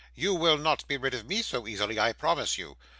'You will not be rid of me so easily, I promise you.